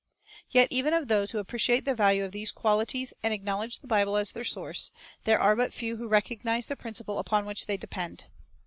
Yet even of those who appreciate the value of these qualities and acknowledge the Bible as their source, there are but few who recognize the principle upon which they depend.